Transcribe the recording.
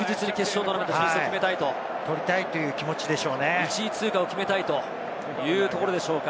確実に決勝進出を決めたいと１位通過を決めたいというところでしょうか。